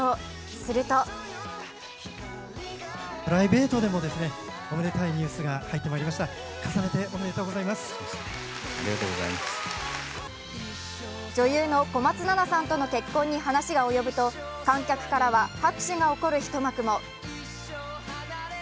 すると女優の小松菜奈さんとの結婚に話が及ぶと観客からは拍手が起こる一幕も。